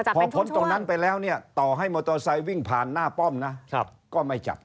พอพ้นตรงนั้นไปแล้วเนี่ยต่อให้มอเตอร์ไซค์วิ่งผ่านหน้าป้อมนะก็ไม่จับ